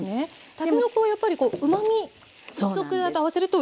たけのこはやっぱりうまみ食材と合わせるといい？